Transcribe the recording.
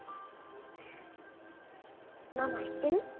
ママ知ってる？